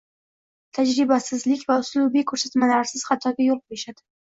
tajribasizlik va uslubiy ko‘rsatmalarsiz xatoga yo‘l qo‘yishadi